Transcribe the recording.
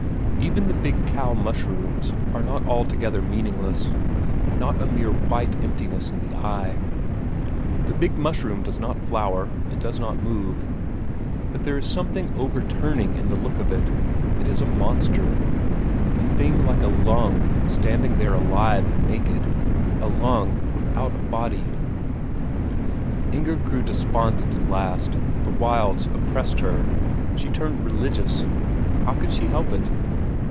Even the big cow mushrooms are not altogether meaningless; not a mere white emptiness in the eye. The big mushroom does not flower, it does not move, but there is something overturning in the look of it; it is a monster, a thing like a lung standing there alive and naked a lung without a body. Inger grew despondent at last, the wilds oppressed her, she turned religious. How could she help it?